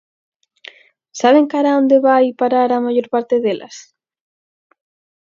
¿Saben cara a onde vai parar a maior parte delas?